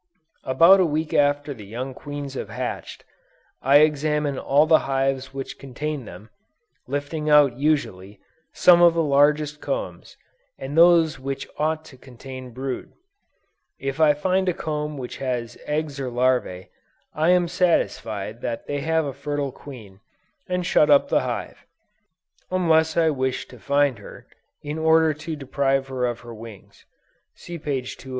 About a week after the young queens have hatched, I examine all the hives which contain them, lifting out usually, some of the largest combs, and those which ought to contain brood. If I find a comb which has eggs or larvæ, I am satisfied that they have a fertile queen, and shut up the hive; unless I wish to find her, in order to deprive her of her wings, (see p. 203.)